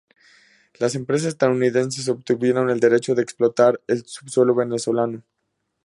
Las empresas estadounidenses obtuvieron el derecho de explotar el subsuelo venezolano.